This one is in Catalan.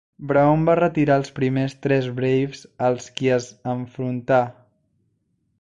Brown va retirar els primers tres Braves als qui es enfrontar.